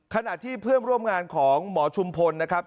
ขณะที่เพื่อนร่วมงานของหมอชุมพลนะครับ